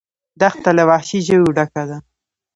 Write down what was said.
دښته له وحشي ژویو ډکه ده.